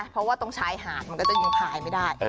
เพราะว่าตรงชายหาดมันก็จะยังพายไม่ได้